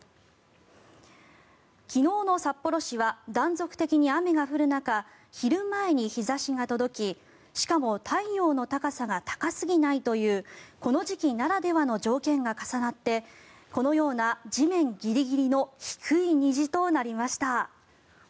昨日の札幌市は断続的に雨が降る中昼前に日差しが届き、しかも太陽の高さが高すぎないというこの時期ならではの条件が重なってこのような地面ギリギリの低い虹となりました。